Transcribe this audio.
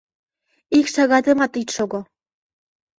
Ик шагатымат ит шого!